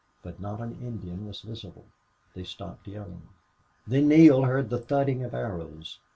But not an Indian was visible. They stopped yelling. Then Neale heard the thudding of arrows.